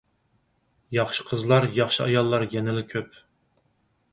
ياخشى قىزلار، ياخشى ئاياللار يەنىلا كۆپ!